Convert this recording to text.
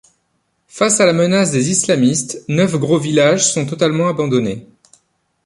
Face à la menace des islamistes, neuf gros villages sont totalement abandonnés.